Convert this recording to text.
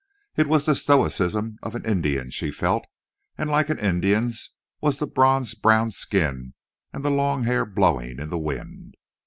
It was the stoicism of an Indian, she felt, and like an Indian's was the bronze brown skin and the long hair blowing in the wind.